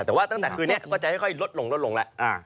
แต่ว่าตั้งแต่คืนนี้ก็จะลดลงละ